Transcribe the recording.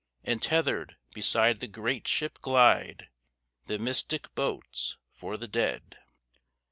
And tethered, beside the great ship, glide The mystic boats for the dead.